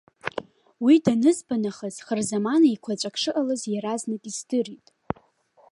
Уи данызба нахыс хырзаман еиқәаҵәак шыҟалаз иаразнак издырит.